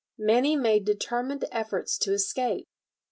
Many made determined efforts to escape.